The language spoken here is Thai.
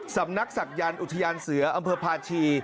สำนักศักยันต์อุทยานเสืออำเภอพาชี